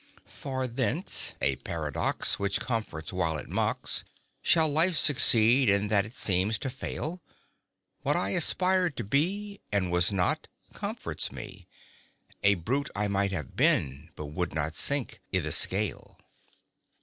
For thence, a paradox Which comforts while it mocks, Shall life succeed in that it seems to fail: What I aspired to be, And was not, comforts me: A brute I might have been, but would not sink i' the scale.